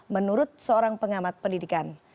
menurut seorang pengamat pendidikan